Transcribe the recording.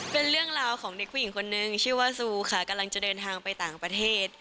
เป็นเรื่องราวของเด็กผู้หญิงคนนึงชื่อว่าซูค่ะกำลังจะเดินทางไปต่างประเทศ